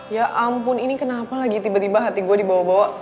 ya ampun ini kenapa lagi tiba tiba hati gue dibawa bawa